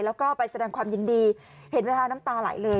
แล้วก็ไปแสดงความยินดีเห็นไหมคะน้ำตาไหลเลย